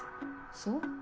そう？